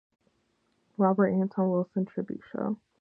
Robert Anton Wilson tribute show.